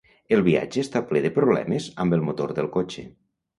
El viatge està ple de problemes amb el motor del cotxe.